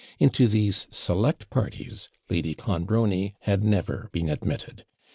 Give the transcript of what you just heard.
Into these select parties Lady Clonbrony had never been admitted.